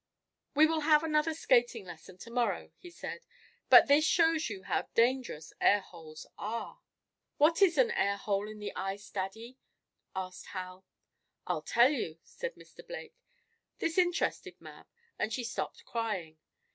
"We will have another skating lesson to morrow," he said. "But this shows you how dangerous air holes are." "What is an air hole in the ice, Daddy?" asked Hal. "I'll tell you," said Mr. Blake. This interested Mab, and she stopped crying.